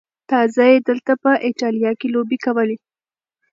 تازه یې دلته په ایټالیا کې لوبې کولې.